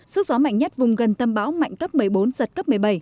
sức gió mạnh nhất vùng gần tâm bão mạnh cấp một mươi bốn giật cấp một mươi bảy